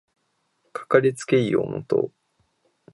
かかりつけ医を持とう